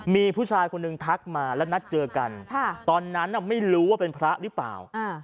มีผู้ชายคนหนึ่งทักมาแล้วนัดเจอกันตอนนั้นไม่รู้ว่าเป็นพระหรือเปล่า